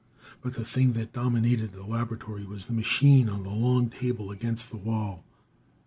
But the thing that dominated the laboratory was the machine on the long table against the wall.